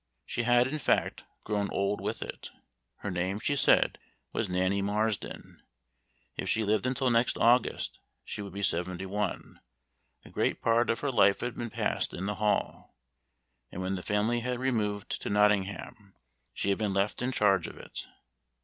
She had, in fact, grown old with it. Her name, she said, was Nanny Marsden; if she lived until next August, she would be seventy one; a great part of her life had been passed in the Hall, and when the family had removed to Nottingham, she had been left in charge of it.